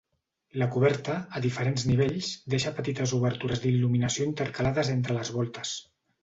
La coberta, a diferents nivells, deixa petites obertures d'il·luminació intercalades entre les voltes.